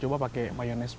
dan punya eating test